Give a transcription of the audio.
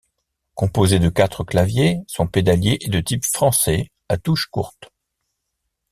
Composé de quatre claviers, son pédalier est de type français, à touches courtes.